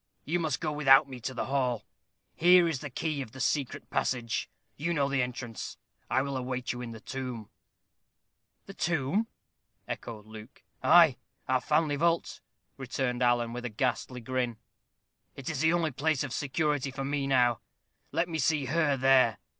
You must go without me to the hall. Here is the key of the secret passage. You know the entrance. I will await you in the tomb." "The tomb!" echoed Luke. "Ay, our family vault," returned Alan, with a ghastly grin "it is the only place of security for me now. Let me see her there.